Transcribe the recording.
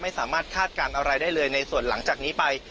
คาดการณ์อะไรได้เลยในส่วนหลังจากนี้ไป